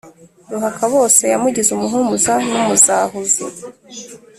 ruhakabose yamugize umuhumuza n' umuzahuzi.